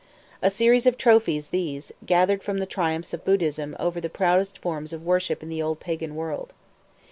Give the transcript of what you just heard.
A series of trophies these, gathered from the triumphs of Buddhism over the proudest forms of worship in the old pagan world.